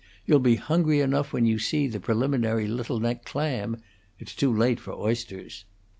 You'll be hungry enough when you see the preliminary Little Neck clam. It's too late for oysters."